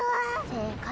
正解。